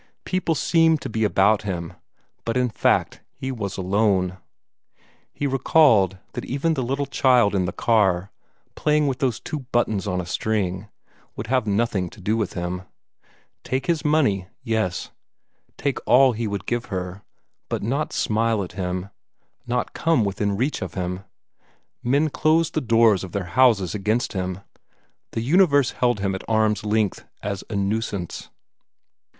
People seemed to be about him, but in fact he was alone. He recalled that even the little child in the car, playing with those two buttons on a string, would have nothing to do with him. Take his money, yes; take all he would give her but not smile at him, not come within reach of him! Men closed the doors of their houses against him. The universe held him at arm's length as a nuisance.